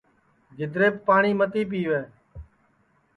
گِدریپ پاٹؔی متی پِیوے